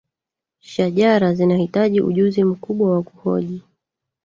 shajara zinahitaji ujuzi mkubwa wa kuhoji